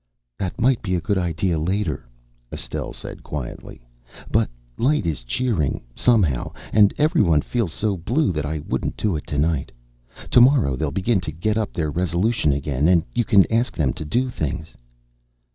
"That might be a good idea later," Estelle said quietly, "but light is cheering, somehow, and every one feels so blue that I wouldn't do it to night. To morrow they'll begin to get up their resolution again, and you can ask them to do things."